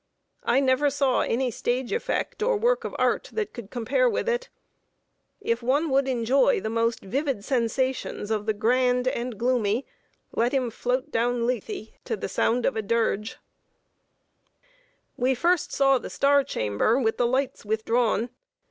I never saw any stage effect or work of art that could compare with it. If one would enjoy the most vivid sensations of the grand and gloomy, let him float down Lethe to the sound of a dirge. [Sidenote: THE STAR CHAMBER. MAGNIFICENT DISTANCES.] We first saw the Star Chamber with the lights withdrawn.